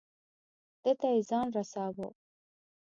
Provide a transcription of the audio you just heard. ده ته یې ځان رساو.